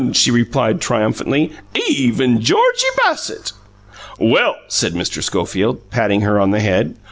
she returned triumphantly. "Even Georgie Bassett!" "Well," said Mr. Schofield, patting her on the shoulder.